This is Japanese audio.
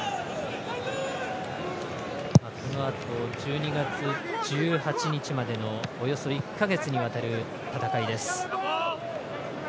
このあと、１２月１８日までのおよそ１か月にわたる戦いです。